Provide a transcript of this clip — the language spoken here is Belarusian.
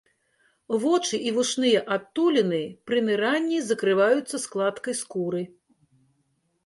Вочы і вушныя адтуліны пры ныранні закрываюцца складкай скуры.